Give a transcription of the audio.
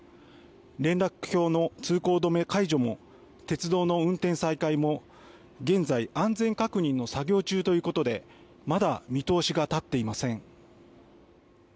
連絡橋の通行止め解除も鉄道の運転再開も現在、安全確認の作業中ということでまだ見通しが立っていません。